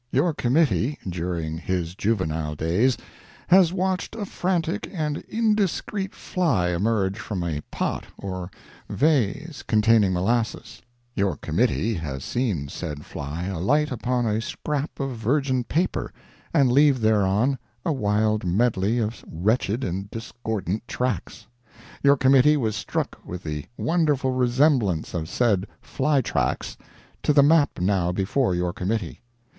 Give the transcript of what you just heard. Your committee, during his juvenile days, has watched a frantic and indiscreet fly emerge from a pot or vase containing molasses; your committee has seen said fly alight upon a scrap of virgin paper, and leave thereon a wild medley of wretched and discordant tracks; your committee was struck with the wonderful resemblance of said fly tracks to the map now before your committee.